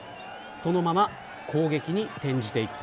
そのまま攻撃に転じていく。